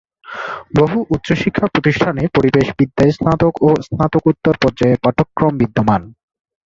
বহু উচ্চশিক্ষা প্রতিষ্ঠানে পরিবেশ বিদ্যায় স্নাতক ও স্নাতকোত্তর পর্যায়ের পাঠ্যক্রম বিদ্যমান।